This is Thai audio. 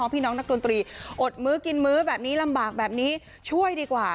พี่น้องนักดนตรีอดมื้อกินมื้อแบบนี้ลำบากแบบนี้ช่วยดีกว่า